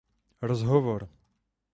Rozhovor.